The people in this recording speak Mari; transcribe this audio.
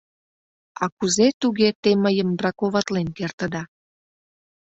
«А кузе туге те мыйым браковатлен кертыда?